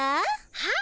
はっ？